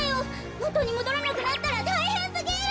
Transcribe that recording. もとにもどらなくなったらたいへんすぎる！